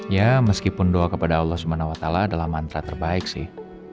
ya meskipun doa kepada allah swt adalah mantra terbaik sih